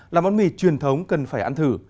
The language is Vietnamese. là món mì truyền thống cần phải ăn thử